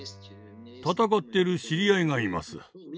戦っている知り合いがいます。